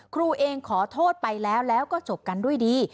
ครูเองขอโทษไปแล้วแล้วก็จบกันด้วยดี